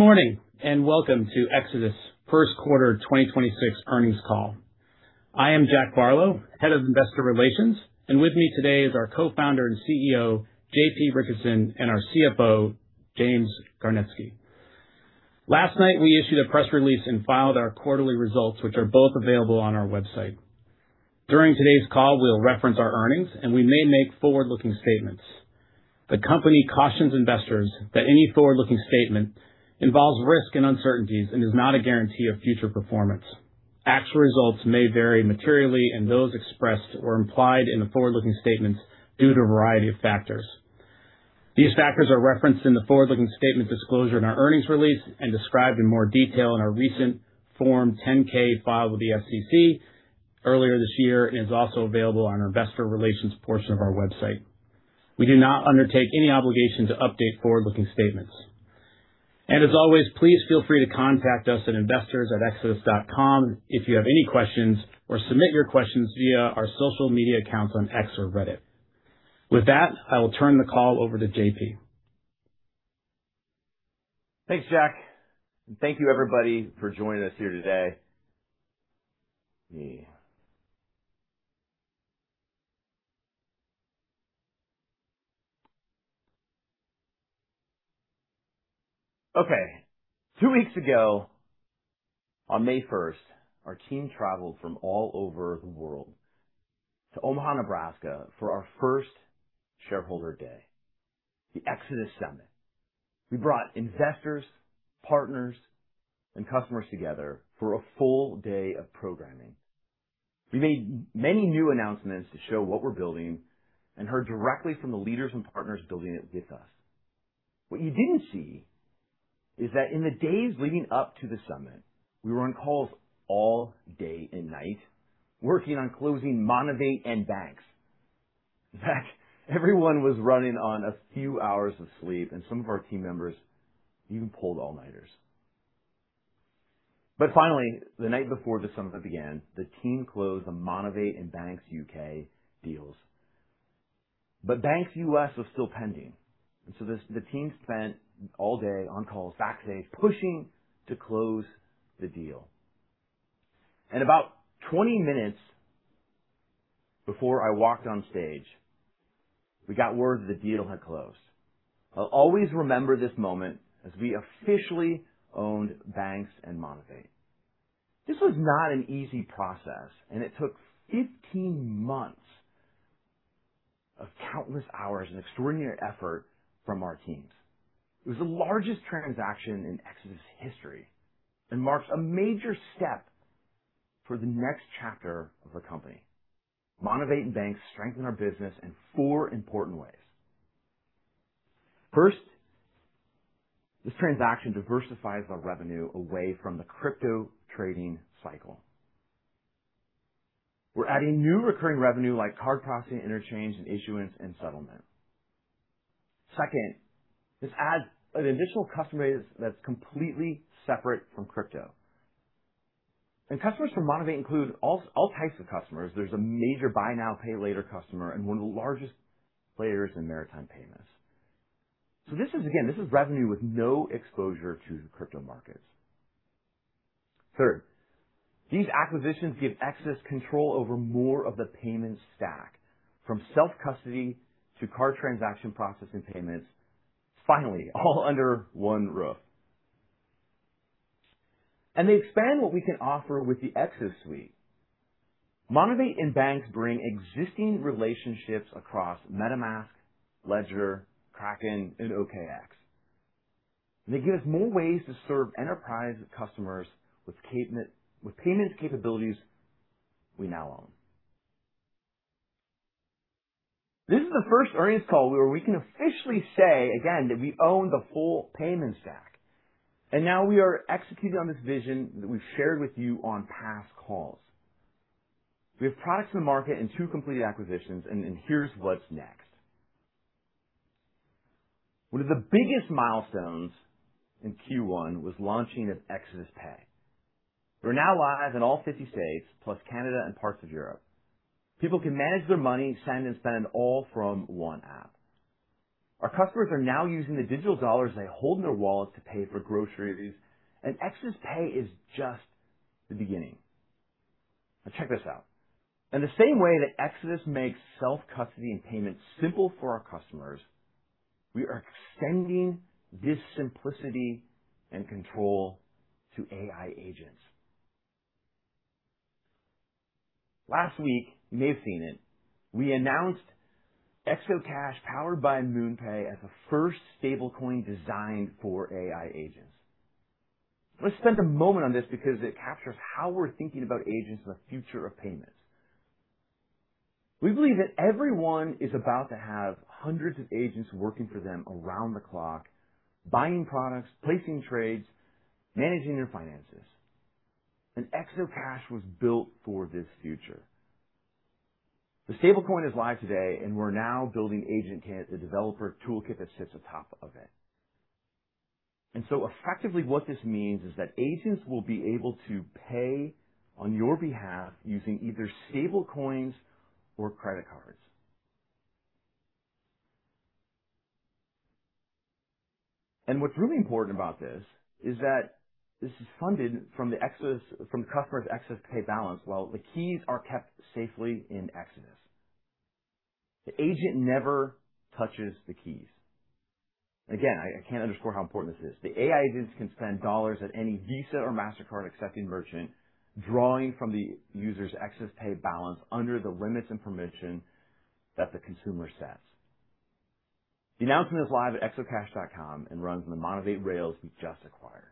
Good morning, and welcome to Exodus First Quarter 2026 Earnings Call. I am Jack Barlow, Head of Investor Relations, with me today is our Co-Founder and CEO, J.P. Richardson, and our CFO, James Gernetzke. Last night, we issued a press release and filed our quarterly results, which are both available on our website. During today's call, we'll reference our earnings, and we may make forward-looking statements. The company cautions investors that any forward-looking statement involves risk and uncertainties and is not a guarantee of future performance. Actual results may vary materially and those expressed or implied in the forward-looking statements due to a variety of factors. These factors are referenced in the forward-looking statement disclosure in our earnings release and described in more detail in our recent Form 10-K filed with the SEC earlier this year and is also available on our investor relations portion of our website. We do not undertake any obligation to update forward-looking statements. As always, please feel free to contact us at investorsatexodus.com if you have any questions or submit your questions via our social media accounts on X or Reddit. With that, I will turn the call over to J.P. Thanks, Jack, and thank you everybody for joining us here today. Okay. 2 weeks ago, on May 1st, our team traveled from all over the world to Omaha, Nebraska, for our first shareholder day, The Exodus Summit. We brought investors, partners, and customers together for a full day of programming. We made many new announcements to show what we're building and heard directly from the leaders and partners building it with us. What you didn't see is that in the days leading up to the summit, we were on calls all day and night, working on closing Monavate and Baanx. Everyone was running on a few hours of sleep and some of our team members even pulled all-nighters. Finally, the night before the summit began, the team closed the Monavate and Baanx U.K. deals. Baanx U.S. was still pending, the team spent all day on calls, tax days, pushing to close the deal. About 20 minutes before I walked on stage, we got word that the deal had closed. I'll always remember this moment as we officially owned Baanx and Monavate. This was not an easy process, and it took 15 months of countless hours and extraordinary effort from our teams. It was the largest transaction in Exodus history and marks a major step for the next chapter of our company. Monavate and Baanx strengthen our business in four important ways. First, this transaction diversifies our revenue away from the crypto trading cycle. We're adding new recurring revenue like card processing, interchange, and issuance and settlement. Second, this adds an additional customer base that's completely separate from crypto. Customers from Monavate include all types of customers. There's a major buy now, pay later customer and one of the largest players in maritime payments. This is, again, this is revenue with no exposure to crypto markets. Third, these acquisitions give Exodus control over more of the payment stack, from self-custody to card transaction processing payments, finally, all under one roof. They expand what we can offer with the Exodus suite. Monavate and Baanx bring existing relationships across MetaMask, Ledger, Kraken, and OKX. They give us more ways to serve enterprise customers with payments capabilities we now own. This is the first earnings call where we can officially say again that we own the full payment stack, and now we are executing on this vision that we've shared with you on past calls. We have products in the market and two completed acquisitions, and here's what's next. One of the biggest milestones in Q1 was launching of Exodus Pay. We're now live in all 50 states, plus Canada and parts of Europe. People can manage their money, send, and spend all from one app. Our customers are now using the digital dollars they hold in their wallets to pay for groceries. Exodus Pay is just the beginning. Now check this out. In the same way that Exodus makes self-custody and payment simple for our customers, we are extending this simplicity and control to AI agents. Last week, you may have seen it, we announced XO Cash, powered by MoonPay, as the first stable coin designed for AI agents. Let's spend a moment on this because it captures how we're thinking about agents and the future of payments. We believe that everyone is about to have hundreds of agents working for them around the clock, buying products, placing trades, managing their finances. XO Cash was built for this future. The stablecoin is live today. We're now building AgentKit, the developer toolkit that sits at the top of it. Effectively what this means is that agents will be able to pay on your behalf using either stablecoins or credit cards. What's really important about this is that this is funded from the customer's Exodus Pay balance while the keys are kept safely in Exodus. The agent never touches the keys. Again, I can't underscore how important this is. The AI agents can spend dollars at any Visa or Mastercard accepting merchant, drawing from the user's Exodus Pay balance under the limits and permission that the consumer sets. The announcement is live at xocash.com and runs on the Monavate Rails we just acquired.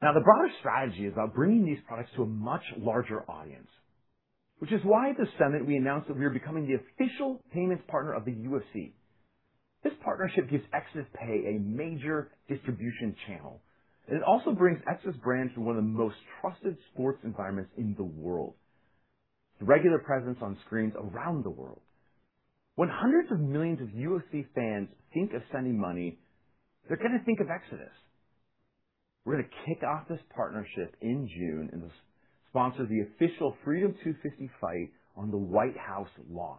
The broader strategy is about bringing these products to a much larger audience, which is why at the Summit we announced that we are becoming the official payments partner of the UFC. This partnership gives Exodus Pay a major distribution channel, and it also brings Exodus brands to one of the most trusted sports environments in the world. It's a regular presence on screens around the world. When hundreds of millions of UFC fans think of sending money, they're gonna think of Exodus. We're gonna kick off this partnership in June and sponsor the official Freedom 250 fight on the White House lawn.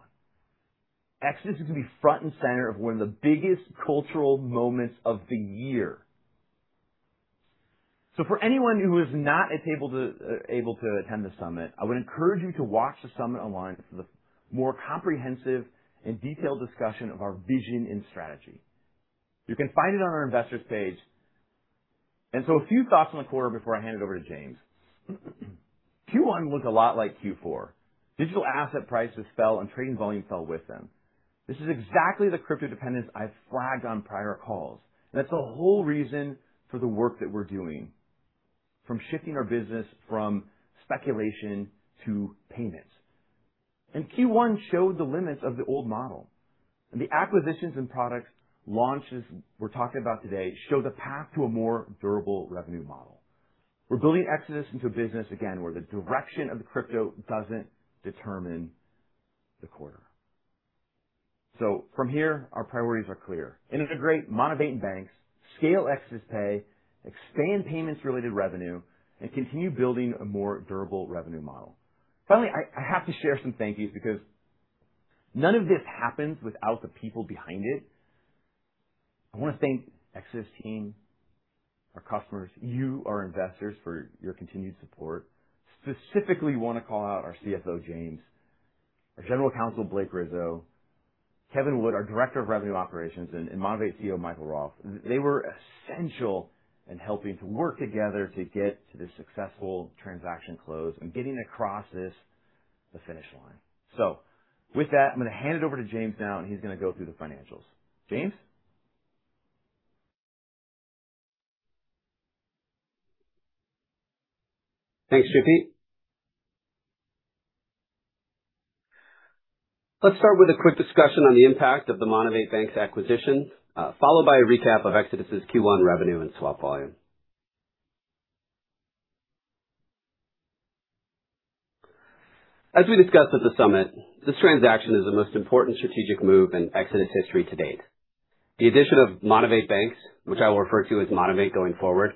Exodus is gonna be front and center of one of the biggest cultural moments of the year. For anyone who is not able to attend the summit, I would encourage you to watch the summit online for the more comprehensive and detailed discussion of our vision and strategy. You can find it on our investor's page. A few thoughts on the quarter before I hand it over to James. Q1 looked a lot like Q4. Digital asset prices fell and trading volume fell with them. This is exactly the crypto dependence I flagged on prior calls, and that's a whole reason for the work that we're doing, from shifting our business from speculation to payment. Q1 showed the limits of the old model. The acquisitions and products launches we're talking about today show the path to a more durable revenue model. We're building Exodus into a business again, where the direction of the crypto doesn't determine the quarter. From here, our priorities are clear. Integrate Monavate and Baanx, scale Exodus Pay, expand payments-related revenue, and continue building a more durable revenue model. Finally, I have to share some thank yous because none of this happens without the people behind it. I want to thank Exodus team, our customers, you, our investors, for your continued support. Specifically, I want to call out our CFO, James, our General Counsel, Blake Rizzo, Kevin Wood, our Director of Revenue Operations, and Monavate CEO, Michael Roth. They were essential in helping to work together to get to this successful transaction close and getting across the finish line. With that, I am going to hand it over to James now, and he is going to go through the financials. James. Thanks, J.P. Let's start with a quick discussion on the impact of the Monavate Baanx acquisition, followed by a recap of Exodus' Q1 revenue and swap volume. As we discussed at The Exodus Summit, this transaction is the most important strategic move in Exodus history to date. The addition of Monavate Baanx, which I will refer to as Monavate going forward,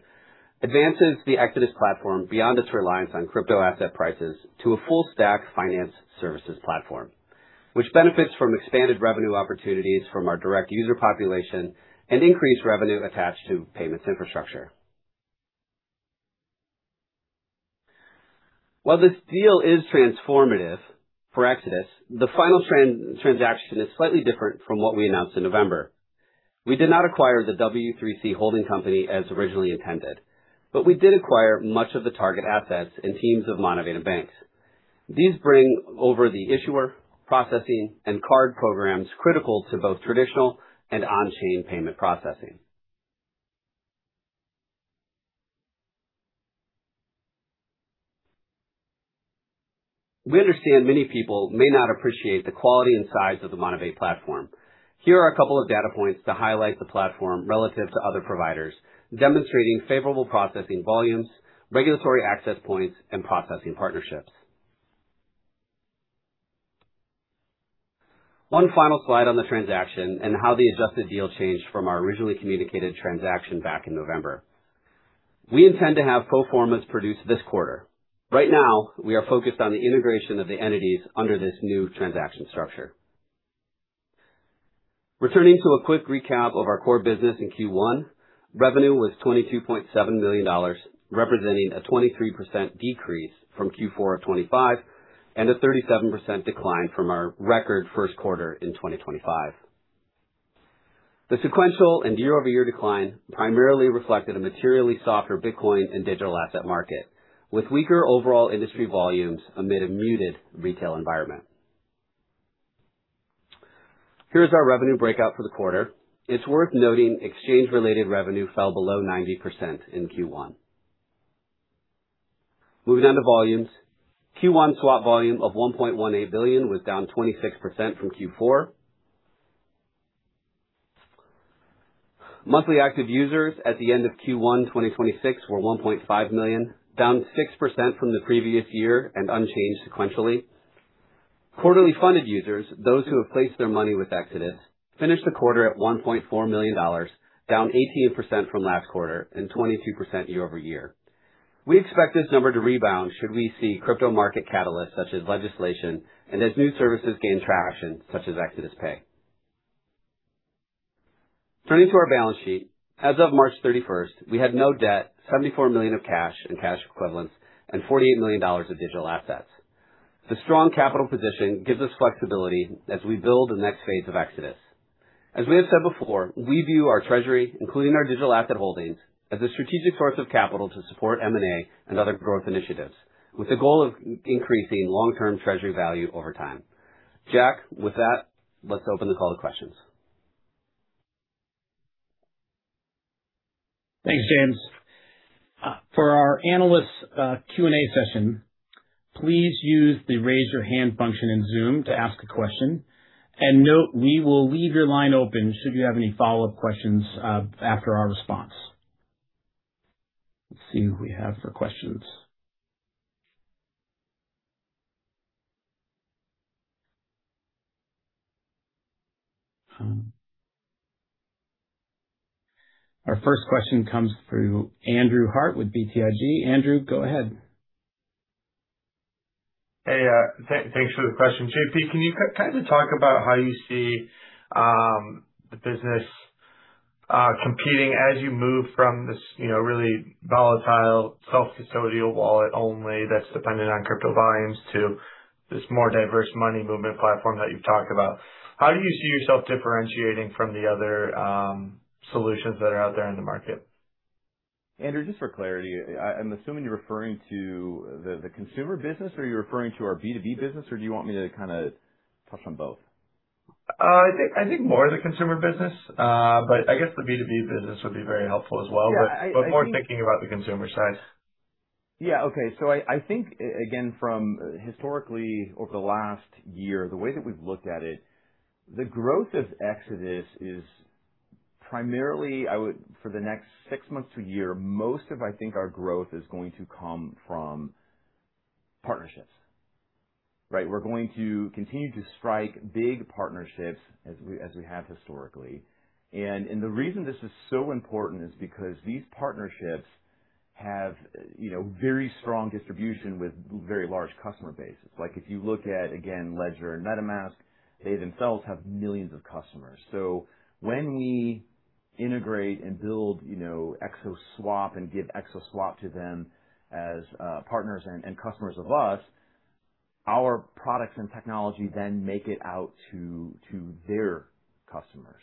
advances the Exodus platform beyond its reliance on crypto asset prices to a full-stack finance services platform, which benefits from expanded revenue opportunities from our direct user population and increased revenue attached to payments infrastructure. While this deal is transformative for Exodus, the final transaction is slightly different from what we announced in November. We did not acquire the W3C holding company as originally intended, but we did acquire much of the target assets and teams of Monavate and Baanx. These bring over the issuer, processing, and card programs critical to both traditional and on-chain payment processing. We understand many people may not appreciate the quality and size of the Monavate platform. Here are a couple of data points to highlight the platform relative to other providers, demonstrating favorable processing volumes, regulatory access points, and processing partnerships. One final slide on the transaction and how the adjusted deal changed from our originally communicated transaction back in November. We intend to have pro formas produced this quarter. Right now, we are focused on the integration of the entities under this new transaction structure. Returning to a quick recap of our core business in Q1, revenue was $22.7 million, representing a 23% decrease from Q4 of 2025 and a 37% decline from our record first quarter in 2025. The sequential and year-over-year decline primarily reflected a materially softer Bitcoin and digital asset market, with weaker overall industry volumes amid a muted retail environment. Here's our revenue breakout for the quarter. It's worth noting exchange-related revenue fell below 90% in Q1. Moving on to volumes. Q1 swap volume of 1.18 billion was down 26% from Q4. Monthly active users at the end of Q1 2026 were 1.5 million, down 6% from the previous year and unchanged sequentially. Quarterly funded users, those who have placed their money with Exodus, finished the quarter at $1.4 million, down 18% from last quarter and 22% year-over-year. We expect this number to rebound should we see crypto market catalysts such as legislation and as new services gain traction, such as Exodus Pay. Turning to our balance sheet. As of March 31st, we had no debt, $74 million of cash and cash equivalents, and $48 million of digital assets. The strong capital position gives us flexibility as we build the next phase of Exodus. As we have said before, we view our treasury, including our digital asset holdings, as a strategic source of capital to support M&A and other growth initiatives with the goal of increasing long-term treasury value over time. Jack, with that, let's open the call to questions. Thanks, James. For our analyst Q&A session, please use the raise your hand function in Zoom to ask a question. Note we will leave your line open should you have any follow-up questions after our response. Let's see who we have for questions. Our first question comes through Andrew Harte with BTIG. Andrew, go ahead. Hey, thanks for the question. JP, can you kind of talk about how you see the business competing as you move from this, you know, really volatile self-custodial wallet only that's dependent on crypto volumes to this more diverse money movement platform that you've talked about. How do you see yourself differentiating from the other solutions that are out there in the market? Andrew, just for clarity, I'm assuming you're referring to the consumer business, or are you referring to our B2B business, or do you want me to kinda touch on both? I think more the consumer business. I guess the B2B business would be very helpful as well. Yeah. More thinking about the consumer side. Okay. I think again, from historically over the last year, the way that we've looked at it, the growth of Exodus is primarily for the next 6 months to a year, most of, I think, our growth is going to come from partnerships, right? We're going to continue to strike big partnerships as we have historically. The reason this is so important is because these partnerships have, you know, very strong distribution with very large customer bases. Like, if you look at, again, Ledger and MetaMask, they themselves have millions of customers. When we integrate and build, you know, ExoSwap and give ExoSwap to them as partners and customers of us, our products and technology then make it out to their customers.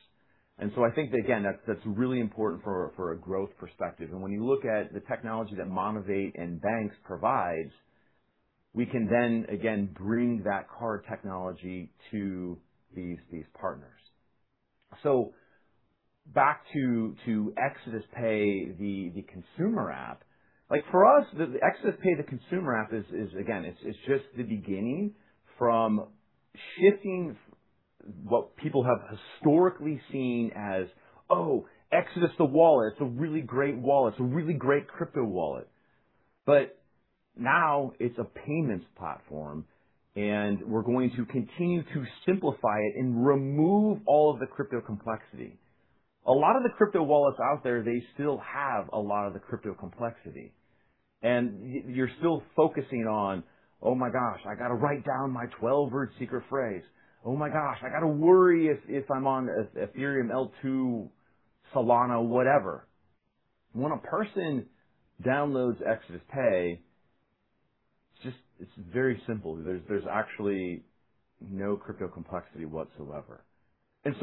I think, again, that's really important for a growth perspective. When you look at the technology that Monavate and Baanx provides, we can then again bring that card technology to these partners. Back to Exodus Pay the consumer app. Like, for us, the Exodus Pay the consumer app is, again, it's just the beginning from shifting what people have historically seen as, "Oh, Exodus, the wallet. It's a really great wallet. It's a really great crypto wallet." Now it's a payments platform, and we're going to continue to simplify it and remove all of the crypto complexity. A lot of the crypto wallets out there, they still have a lot of the crypto complexity, and you're still focusing on, "Oh my gosh, I gotta write down my 12-word secret phrase. Oh my gosh, I gotta worry if I'm on Ethereum, L2, Solana, whatever. When a person downloads Exodus Pay, it's very simple. There's actually no crypto complexity whatsoever. That's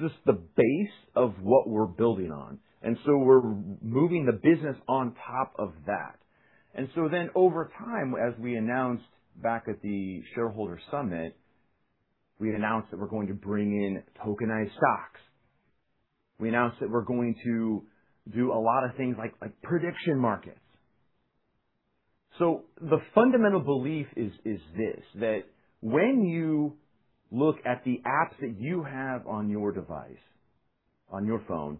just the base of what we're building on. We're moving the business on top of that. Then over time, as we announced back at Shareholder Summit, we announced that we're going to bring in tokenized stocks. We announced that we're going to do a lot of things like prediction markets. The fundamental belief is this, that when you look at the apps that you have on your device, on your phone,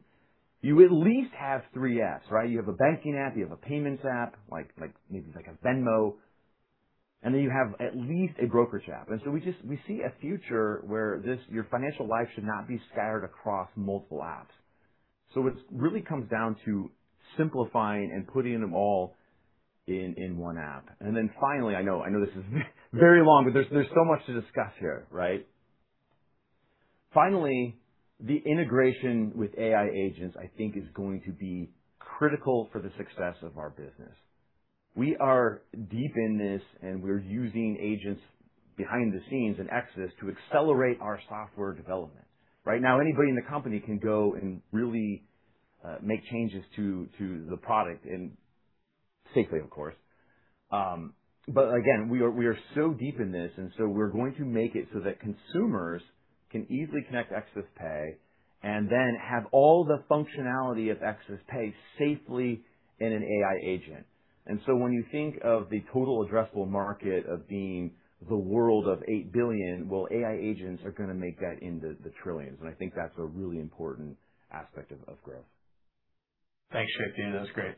you at least have three apps, right? You have a banking app, you have a payments app, like maybe like a Venmo, you have at least a brokerage app. We see a future where your financial life should not be scattered across multiple apps. It really comes down to simplifying and putting them all in one app. Finally, I know this is very long, but there's so much to discuss here, right? Finally, the integration with AI agents, I think is going to be critical for the success of our business. We are deep in this, and we're using agents behind the scenes in Exodus to accelerate our software development. Right now, anybody in the company can go and really make changes to the product and safely, of course. Again, we are so deep in this, so we're going to make it so that consumers can easily connect Exodus Pay and then have all the functionality of Exodus Pay safely in an AI agent. When you think of the total addressable market of being the world of 8 billion, well, AI agents are gonna make that into the trillions, and I think that's a really important aspect of growth. Thanks, J.P. That's great.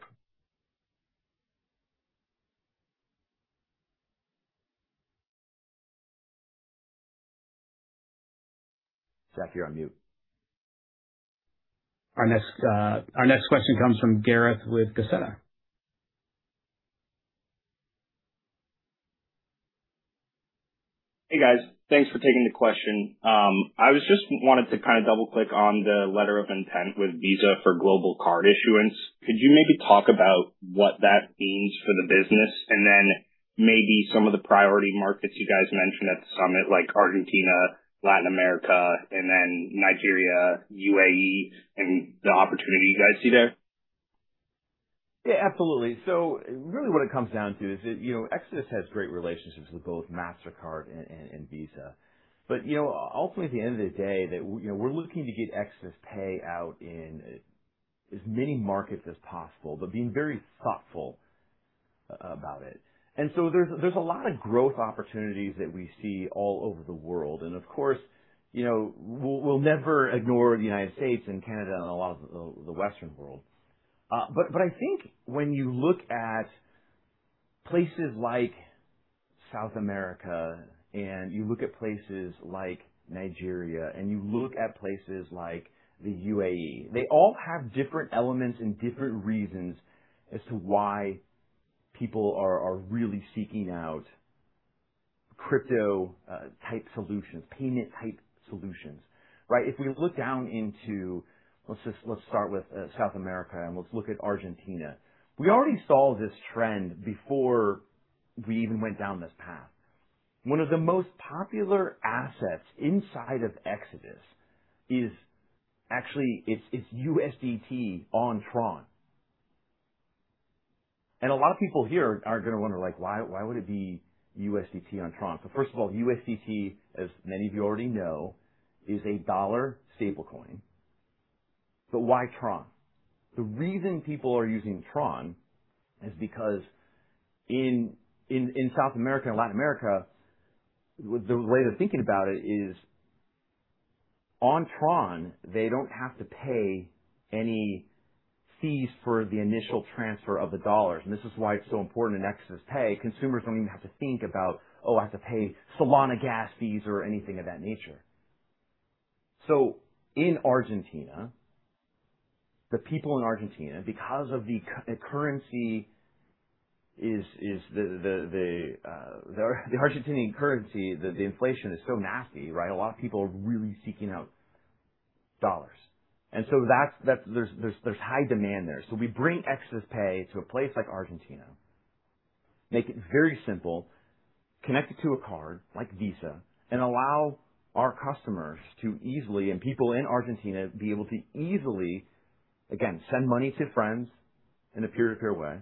Jack, you're on mute. Our next question comes from Gareth with Cantor. Hey, guys. Thanks for taking the question. I just wanted to kinda double-click on the letter of intent with Visa for global card issuance. Could you maybe talk about what that means for the business and then maybe some of the priority markets you guys mentioned at the Summit, like Argentina, Latin America, and then Nigeria, UAE, and the opportunity you guys see there? Yeah, absolutely. Really what it comes down to is that, you know, Exodus has great relationships with both Mastercard and Visa. You know, ultimately at the end of the day that we're looking to get Exodus Pay out in as many markets as possible, but being very thoughtful about it. There's a lot of growth opportunities that we see all over the world. Of course, you know, we'll never ignore the United States and Canada and a lot of the Western world. But I think when you look at places like South America and you look at places like Nigeria and you look at places like the UAE, they all have different elements and different reasons as to why people are really seeking out crypto type solutions, payment type solutions, right? If we look down into, let's start with South America, and let's look at Argentina. We already saw this trend before we even went down this path. One of the most popular assets inside of Exodus is actually it's USDT on Tron. A lot of people here are gonna wonder, like, why would it be USDT on Tron? First of all, USDT, as many of you already know, is a dollar stablecoin. Why Tron? The reason people are using Tron is because in South America and Latin America, the way they're thinking about it is on Tron, they don't have to pay any fees for the initial transfer of the dollars. This is why it's so important in Exodus Pay. Consumers don't even have to think about, oh, I have to pay Solana gas fees or anything of that nature. In Argentina, the people in Argentina, because of the currency is the Argentinian currency, the inflation is so nasty, right? A lot of people are really seeking out dollars. There's high demand there. We bring Exodus Pay to a place like Argentina, make it very simple, connect it to a card like Visa, and allow our customers to easily, and people in Argentina be able to easily, again, send money to friends in a peer-to-peer way,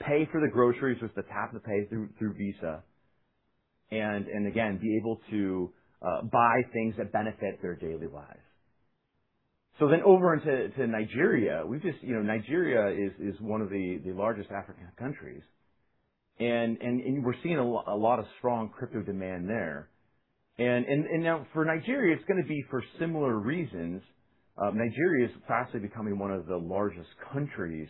pay for the groceries with the tap-to-pay through Visa, and again, be able to buy things that benefit their daily lives. Over into Nigeria, you know, Nigeria is one of the largest African countries and we're seeing a lot of strong crypto demand there. Now for Nigeria, it's gonna be for similar reasons. Nigeria is fastly becoming one of the largest countries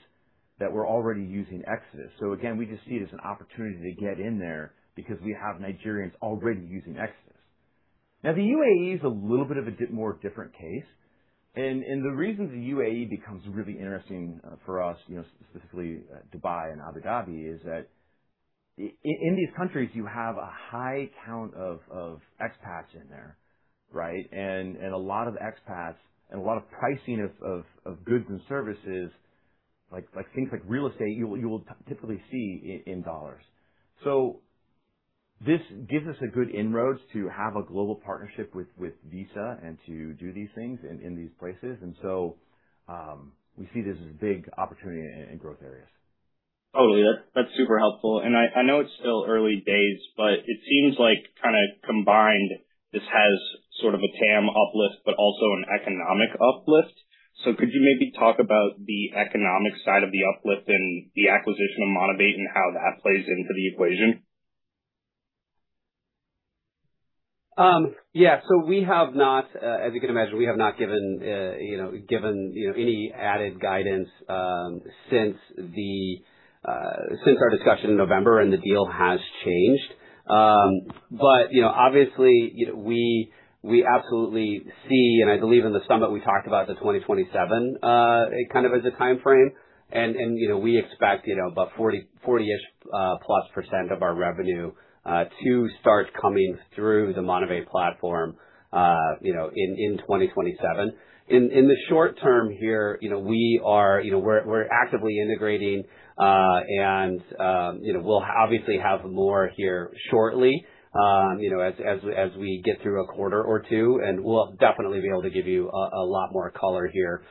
that were already using Exodus. Again, we just see it as an opportunity to get in there because we have Nigerians already using Exodus. The UAE is a little bit of a more different case. The reason the UAE becomes really interesting for us, you know, specifically, Dubai and Abu Dhabi, is that in these countries, you have a high count of expats in there, right? A lot of expats and a lot of pricing of goods and services like things like real estate, you will typically see in dollars. This gives us a good inroads to have a global partnership with Visa and to do these things in these places. We see this as a big opportunity in growth areas. Totally. That, that's super helpful. I know it's still early days, but it seems like kind of combined, this has sort of a TAM uplift but also an economic uplift. Could you maybe talk about the economic side of the uplift and the acquisition of Monavate and how that plays into the equation? We have not, as you can imagine, we have not given, you know, given, you know, any added guidance since our discussion in November and the deal has changed. You know, obviously, you know, we absolutely see, and I believe in the Summit we talked about the 2027, kind of as a timeframe. You know, we expect, you know, about 40+% of our revenue to start coming through the Monavate platform, you know, in 2027. In the short term here, you know, we are, you know, we're actively integrating, and, you know, we'll obviously have more here shortly, you know, as we get through a quarter or two. We'll definitely be able to give you a lot more color here,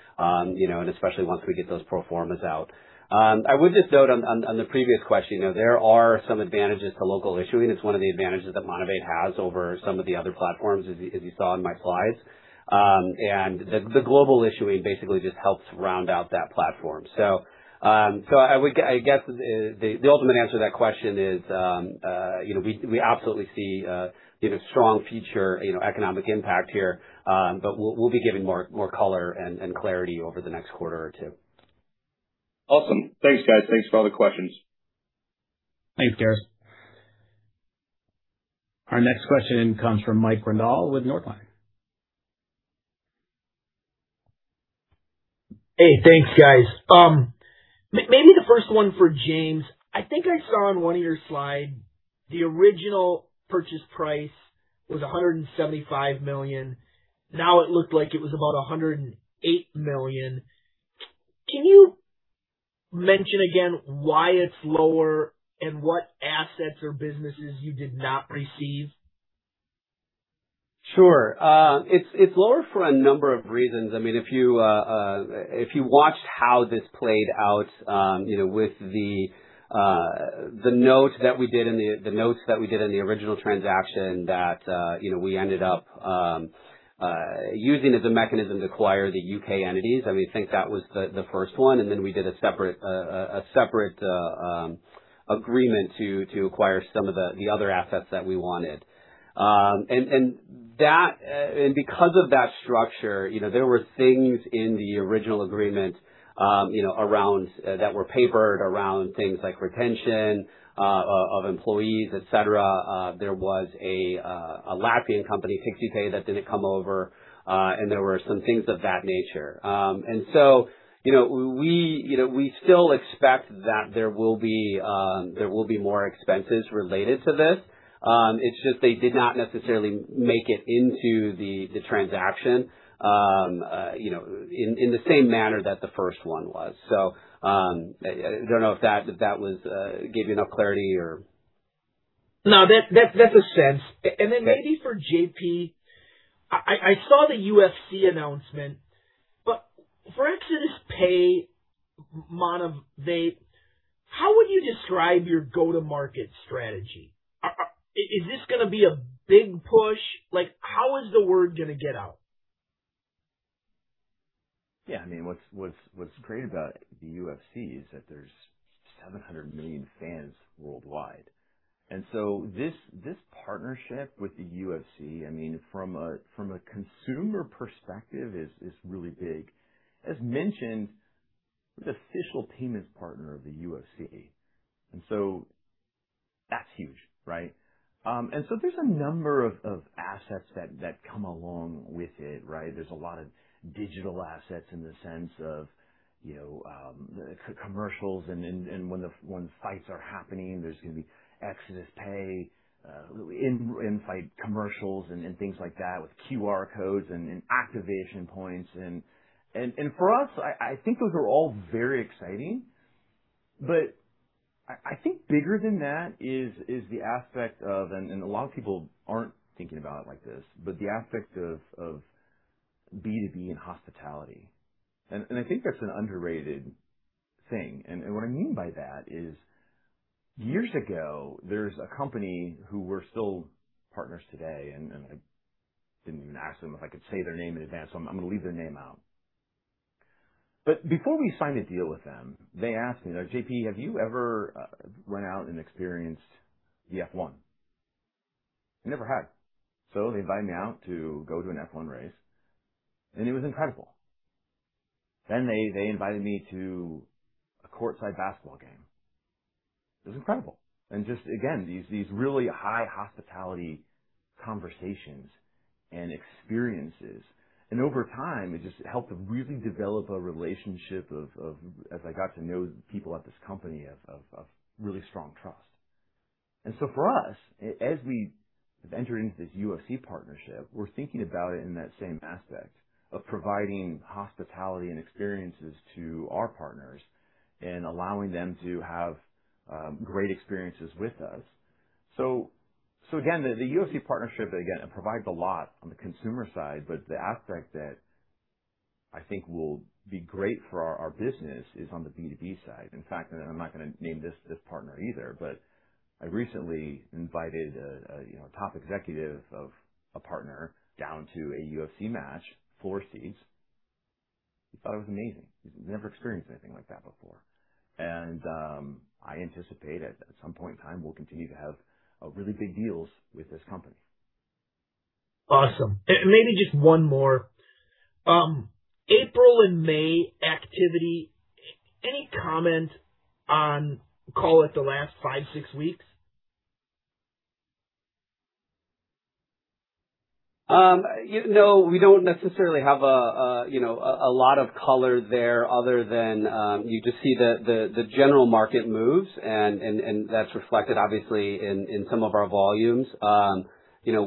you know, especially once we get those pro formas out. I would just note on the previous question, you know, there are some advantages to local issuing. It's one of the advantages that Monavate has over some of the other platforms, as you saw in my slides. The global issuing basically just helps round out that platform. I guess the ultimate answer to that question is, you know, we absolutely see, you know, strong future, you know, economic impact here. We'll be giving more color and clarity over the next quarter or two. Awesome. Thanks, guys. Thanks for all the questions. Thanks, Gareth. Our next question comes from Mike Grondahl with Northland. Hey, thanks guys. Maybe the first one for James. I think I saw on one of your slides the original purchase price was $175 million. Now it looked like it was about $108 million. Can you mention again why it's lower and what assets or businesses you did not receive? Sure. It's lower for a number of reasons. I mean, if you, if you watched how this played out, you know, with the notes that we did in the original transaction that, you know, we ended up using as a mechanism to acquire the U.K. entities. I think that was the first one. Then we did a separate agreement to acquire some of the other assets that we wanted. Because of that structure, you know, there were things in the original agreement, you know, around that were papered around things like retention of employees, et cetera. There was a Latvian company, HiXpay, that didn't come over. There were some things of that nature. You know, we, you know, we still expect that there will be more expenses related to this. It's just they did not necessarily make it into the transaction, you know, in the same manner that the first one was. I don't know if that was gave you enough clarity or? No, that's a sense. Then maybe for J.P., I saw the UFC announcement, but for Exodus Pay Monavate, how would you describe your go-to-market strategy? Is this gonna be a big push? Like, how is the word gonna get out? I mean, what's great about the UFC is that there's 700 million fans worldwide. This partnership with the UFC, I mean, from a consumer perspective is really big. As mentioned, we're the official payments partner of the UFC, that's huge, right? There's a number of assets that come along with it, right? There's a lot of digital assets in the sense of, you know, the commercials and when fights are happening, there's gonna be Exodus Pay in fight commercials and things like that with QR codes and activation points and for us, I think those are all very exciting. I think bigger than that is the aspect of, and a lot of people aren't thinking about it like this, but the aspect of B2B and hospitality. I think that's an underrated thing. What I mean by that is years ago there's a company who we're still partners today, and I didn't even ask them if I could say their name in advance, so I'm gonna leave their name out. Before we signed a deal with them, they asked me, "J.P., have you ever run out and experienced the F1?" I never had. They invite me out to go to an F1 race, and it was incredible. They invited me to a courtside basketball game. It was incredible. Just, again, these really high hospitality conversations and experiences. Over time, it just helped to really develop a relationship of really strong trust. For us, as we have entered into this UFC partnership, we're thinking about it in that same aspect of providing hospitality and experiences to our partners and allowing them to have great experiences with us. Again, the UFC partnership, again, it provides a lot on the consumer side, but the aspect that I think will be great for our business is on the B2B side. In fact, I'm not gonna name this partner either, but I recently invited a, you know, top executive of a partner down to a UFC match, floor seats. He thought it was amazing. He's never experienced anything like that before. I anticipate at some point in time, we'll continue to have really big deals with this company. Awesome. Maybe just one more. April and May activity. Any comment on, call it the last 5, 6 weeks? You know, we don't necessarily have a, you know, a lot of color there other than, you just see the general market moves and that's reflected obviously in some of our volumes. You know,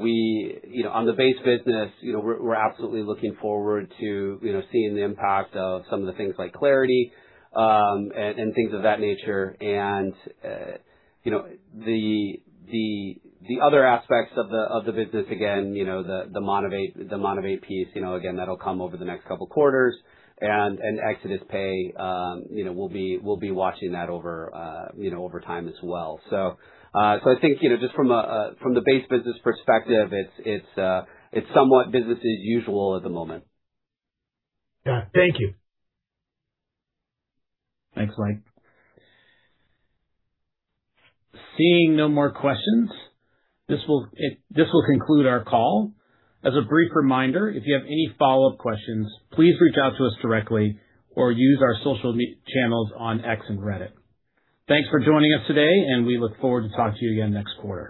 on the base business, you know, we're absolutely looking forward to, you know, seeing the impact of some of the things like Clarity, and things of that nature. You know, the other aspects of the business, again, you know, the Monavate piece, you know, again, that'll come over the next couple quarters and Exodus Pay, you know, we'll be watching that over, you know, over time as well. I think, you know, just from a, from the base business perspective, it's, it's somewhat business as usual at the moment. Yeah. Thank you. Thanks, Mike. Seeing no more questions, this will conclude our call. As a brief reminder, if you have any follow-up questions, please reach out to us directly or use our social channels on X and Reddit. Thanks for joining us today. We look forward to talk to you again next quarter.